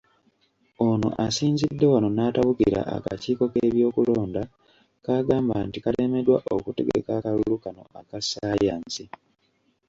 Ono asinzidde wano n'atabukira akakiiko k'ebyokulonda k'agamba nti kalemeddwa okutegeka akalulu kano aka Ssaayansi.